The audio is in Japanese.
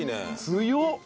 強っ！